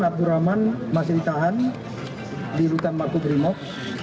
aman abdurrahman masih ditahan di hutan maku grimok